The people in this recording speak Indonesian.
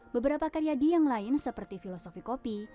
beberapa karya di yang lain seperti filosofi kopi